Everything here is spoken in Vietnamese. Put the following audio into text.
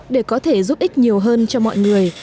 để có thể giúp ích nhiều hơn cho mọi người